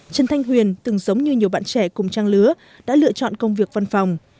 trần thanh huyền từng giống như nhiều bạn trẻ cùng trang lứa đã lựa chọn công việc văn phòng